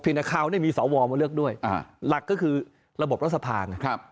เพียงแต่คราวนี่มีสอวอลมาเลือกด้วยหลักก็คือระบบรัฐสภานะครับ